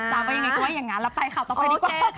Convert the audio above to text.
ว่ายังไงก็ว่าอย่างนั้นเราไปข่าวต่อไปดีกว่า